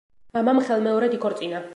მამამ ხელმეორედ იქორწინა.